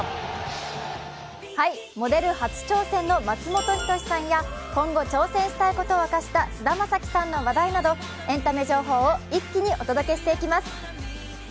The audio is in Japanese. モデル初挑戦の松本人志さんや今後、挑戦したいことを明かした菅田将暉さんの話題などエンタメ情報を一気にお届けしていきます。